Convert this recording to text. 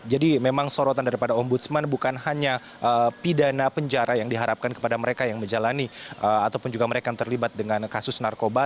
jadi memang sorotan daripada ombudsman bukan hanya pidana penjara yang diharapkan kepada mereka yang menjalani ataupun juga mereka yang terlibat dengan kasus narkoba